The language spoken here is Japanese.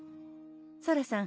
ソラさん